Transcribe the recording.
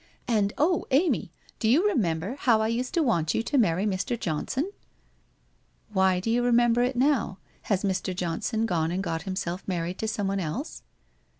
And, oh, Amy, do you remember how I used to want you to marry Mr. Johnson ?'' Why do you remember it now ? Has Mr. Johnson gone and got himself married to some one else